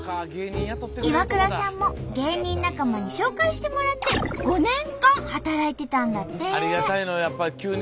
イワクラさんも芸人仲間に紹介してもらって５年間働いてたんだって。